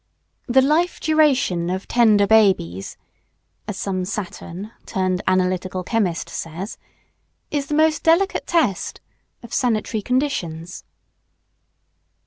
"The life duration of tender babies" (as some Saturn, turned analytical chemist, says) "is the most delicate test" of sanitary conditions.